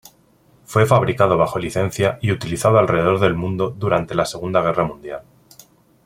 Fue fabricado bajo licencia y utilizado alrededor del mundo durante la Segunda Guerra Mundial.